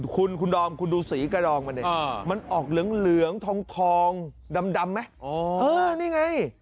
คุณคุณดอมคุณดูสีกระดองมันดิมันออกเหลืองทองดำไหมนี่ไง